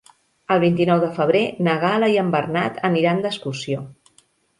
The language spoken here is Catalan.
El vint-i-nou de febrer na Gal·la i en Bernat aniran d'excursió.